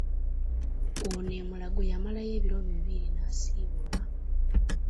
Ono e Mulago yamalayo ebiro bbiri naasiibulwa.